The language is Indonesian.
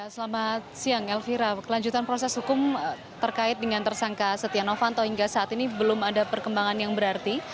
selamat siang elvira kelanjutan proses hukum terkait dengan tersangka setia novanto hingga saat ini belum ada perkembangan yang berarti